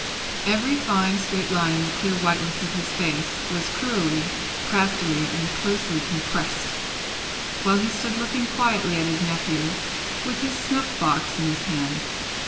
Every fine straight line in the clear whiteness of his face, was cruelly, craftily, and closely compressed, while he stood looking quietly at his nephew, with his snuff box in his hand.